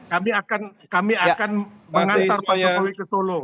kami akan mengantar pak jokowi ke solo